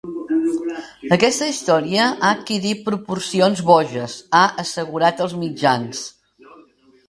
Aquesta història ha adquirit proporcions boges, ha assegurat als mitjans.